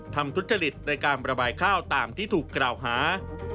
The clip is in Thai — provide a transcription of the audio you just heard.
ทุจริตในการประบายข้าวตามที่ถูกกล่าวหา